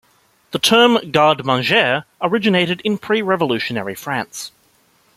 The term "garde manger" originated in pre-Revolutionary France.